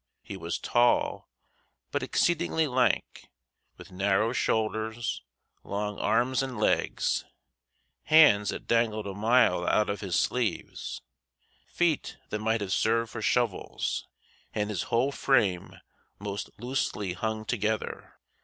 He was tall, but exceedingly lank, with narrow shoulders, long arms and legs, hands that dangled a mile out of his sleeves, feet that might have served for shovels, and his whole frame most loosely hung together.